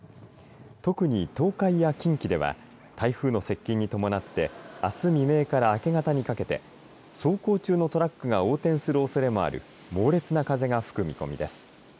特に、東海や近畿では台風の接近に伴ってあす未明から明け方にかけて走行中のトラックが横転するおそれもある猛烈な風が吹く見込みです。